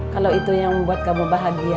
kalau itu yang membuat kamu bahagia